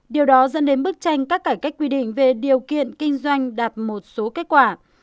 điều đó dẫn đến bức tranh các cải cách quy định về điều kiện kinh doanh đạt một số kết quả